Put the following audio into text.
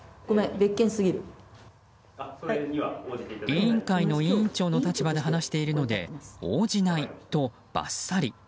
委員会の委員長の立場で話しているので応じないと、バッサリ。